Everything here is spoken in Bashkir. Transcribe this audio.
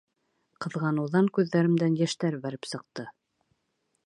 Ҡыҙғаныуҙан күҙҙәремдән йәштәр бәреп сыҡты.